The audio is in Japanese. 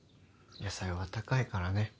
野菜は高いからね。